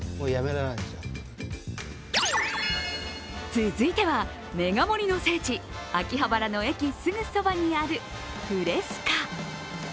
続いては、メガ盛りの聖地・秋葉原の駅すぐそばにあるフレスカ。